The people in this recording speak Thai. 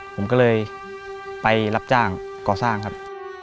ผมก็เลยไปรับจ้างก่อสร้างครับ